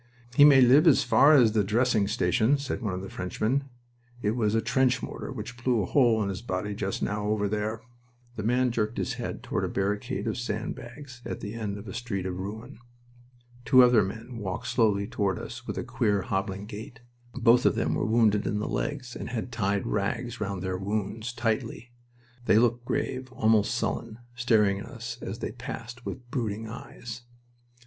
"He may live as far as the dressing station," said one of the Frenchmen. "It was a trench mortar which blew a hole in his body just now, over there." The man jerked his head toward a barricade of sand bags at the end of a street of ruin. Two other men walked slowly toward us with a queer, hobbling gait. Both of them were wounded in the legs, and had tied rags round their wounds tightly. They looked grave, almost sullen, staring at us as they passed, with brooding eyes.